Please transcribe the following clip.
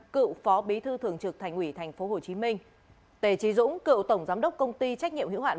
cựu phó bí thư thường trực thành ủy tp hcm tề trí dũng cựu tổng giám đốc công ty trách nhiệm hữu hạn